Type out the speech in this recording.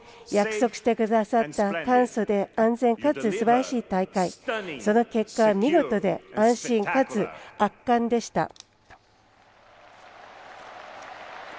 約束してくださった簡素で安全かつすばらしい大会その結果は見事で安心かつ圧巻でした。